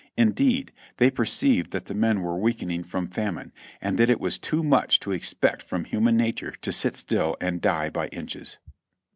Indeed they perceived that the men were weakening from famine, and that it was too much to expect from human nature to sit still and die by inches.